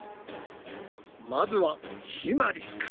まずはひまりから。